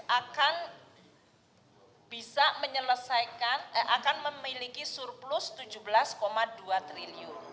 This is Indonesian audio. akan bisa menyelesaikan akan memiliki surplus rp tujuh belas dua triliun